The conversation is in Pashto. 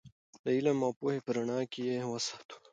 د علم او پوهې په رڼا کې یې وساتو.